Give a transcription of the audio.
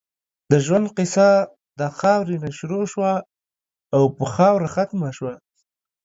د ژؤند قیصه د خاؤرې نه شروع شوه او پۀ خاؤره ختمه شوه